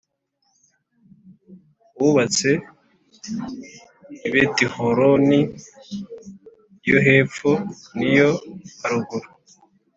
wubatse i Betihoroni yo hepfo n iyo haruguru